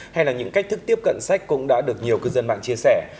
hay là những cách thức tiếp cận sách cũng đã được nhiều cư dân mạng chia sẻ